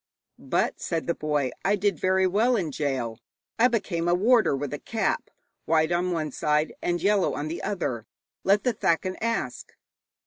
'But,' said the boy, 'I did very well in gaol. I became a warder with a cap white on one side and yellow on the other. Let the thakin ask.'